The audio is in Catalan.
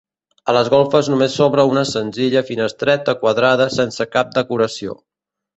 A les golfes només s'obre una senzilla finestreta quadrada sense cap decoració.